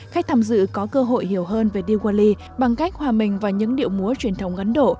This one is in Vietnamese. khách tham dự có cơ hội hiểu hơn về diwali bằng cách hòa mình vào những điệu múa truyền thống ấn độ